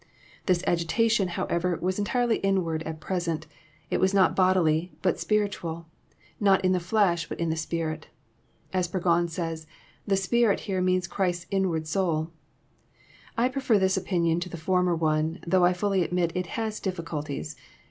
This agitation, however, was entirely inward at present : it was not bodily, but spiritual ; not in the flesh, but in the spirit. As Burgon says, the " spirit " here means Christ's invoard soul. I prefer this opinion to the former one, though I fblly admit it has difficulties.